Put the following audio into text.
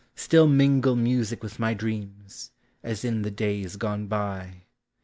Still mingle music with my dreams, as in the days gone by.